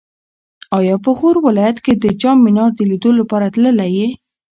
ایا په غور ولایت کې د جام منار د لیدو لپاره تللی یې؟